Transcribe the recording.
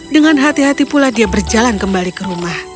dengan hati hati pula dia berjalan kembali ke rumah